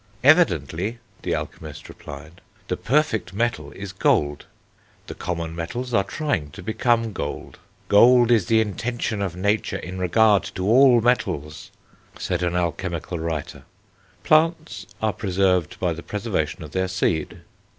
"Evidently," the alchemist replied, "the perfect metal is gold; the common metals are trying to become gold." "Gold is the intention of Nature in regard to all metals," said an alchemical writer. Plants are preserved by the preservation of their seed.